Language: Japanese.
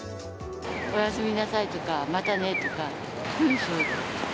おやすみなさいとかまたねとか。